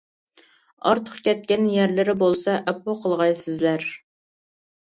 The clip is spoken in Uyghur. ئارتۇق كەتكەن يەرلىرى بولسا ئەپۇ قىلغايسىزلەر.